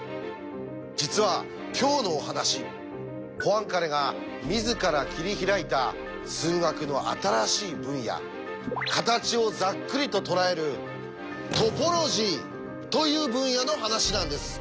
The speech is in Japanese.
実は今日のお話ポアンカレが自ら切り開いた数学の新しい分野形をざっくりととらえる「トポロジー」という分野の話なんです。